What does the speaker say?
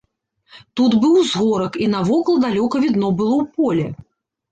Тут быў узгорак, і навокал далёка відно было ў поле.